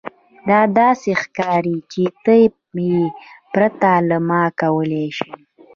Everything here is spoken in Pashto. دا داسې ښکاري چې ته یې پرته له ما کولی شې